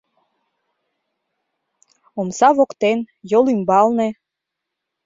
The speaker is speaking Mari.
Омса воктен, йолӱмбалне